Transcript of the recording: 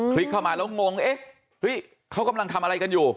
ลิกเข้ามาแล้วงงเอ๊ะเขากำลังทำอะไรกันอยู่